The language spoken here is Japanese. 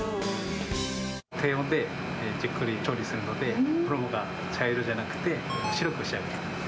低温でじっくり調理するので、衣が茶色じゃなくて、白く仕上げています。